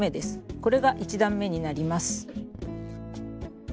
これが１段めになります。